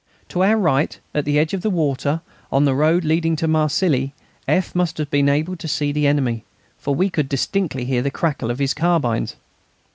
To our right, at the edge of the water, on the road leading to Marcilly, F. must have been able to see the enemy, for we could distinctly hear the crackle of his carbines.